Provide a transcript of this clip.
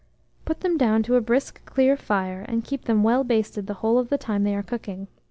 Put them down to a brisk clear fire, and keep them well basted the whole of the time they are cooking.